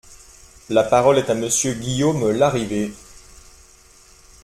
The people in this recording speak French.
La parole est à Monsieur Guillaume Larrivé.